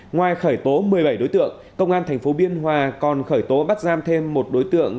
ngoài khởi tố một mươi bảy đối tượng công an tp biên hòa còn khởi tố bắt giam thêm một đối tượng